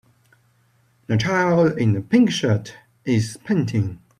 A child in a pink shirt is painting